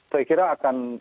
saya kira akan